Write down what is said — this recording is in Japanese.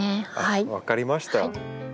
分かりました。